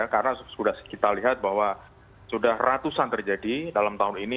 karena sudah kita lihat bahwa sudah ratusan terjadi dalam tahun ini